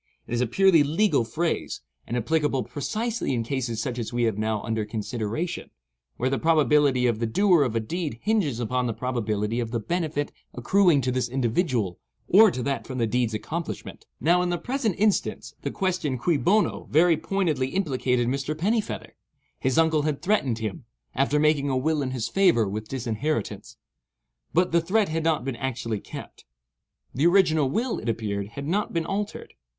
It is a purely legal phrase, and applicable precisely in cases such as we have now under consideration, where the probability of the doer of a deed hinges upon the probability of the benefit accruing to this individual or to that from the deed's accomplishment. Now in the present instance, the question cui bono? very pointedly implicated Mr. Pennifeather. His uncle had threatened him, after making a will in his favour, with disinheritance. But the threat had not been actually kept; the original will, it appeared, had not been altered.